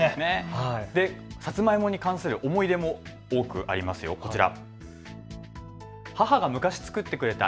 さつまいもに関する思い出も多くありますよ、こちら。